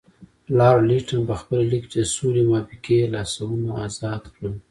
لارډ لیټن پخپله لیکي چې د سولې موافقې لاسونه ازاد کړل.